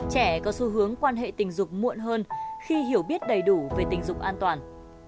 trẻ có xu hướng quan hệ tình dục muộn hơn khi hiểu biết đầy đủ về tình dục an toàn